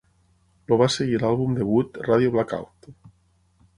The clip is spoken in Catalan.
El va seguir l'àlbum debut, "Radio Blackout".